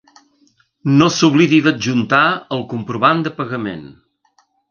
No s'oblidi d'adjuntar el comprovant de pagament.